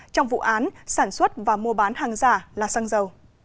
trong vụ án sản xuất và mua bán hàng ra